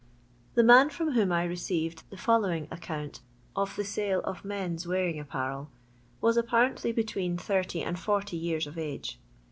The man from whom I received the following account of the sale of men's wearing apparel was apparently between 80 and 40 years of age.